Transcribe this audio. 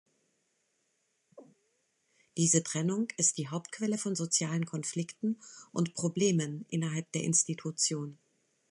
Diese Trennung ist die Hauptquelle von sozialen Konflikten und Problemen innerhalb der Institution.